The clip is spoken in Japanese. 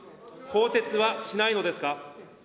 更迭はしないのですか。